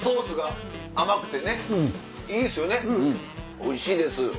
おいしいです。